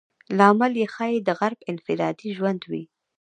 لامل یې ښایي د غرب انفرادي ژوند وي.